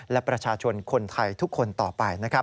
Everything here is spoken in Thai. และประชาชนคนไทยทุกคนต่อไป